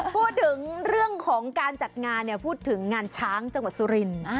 พูดถึงเรื่องของการจัดงานพูดถึงงานช้างจังหวัดสุรินทร์